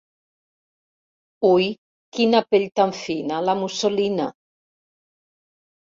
Ui, quina pell tan fina, la mussolina!